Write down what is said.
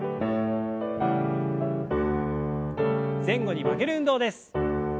前後に曲げる運動です。